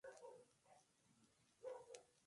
Margaret de Westminster.